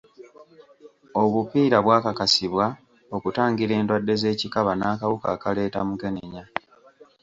Obupiira bwakakasibwa okutangira endwadde z'ekikaba n'akawuka akaleeta mukenenya.